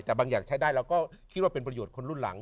แต่บางอย่างใช้ได้เราก็คิดว่าเป็นประโยชน์คนรุ่นหลัง